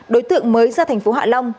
đối tượng mới ra tp hạ long